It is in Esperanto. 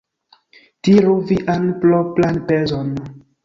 Tiru vian propran pezon.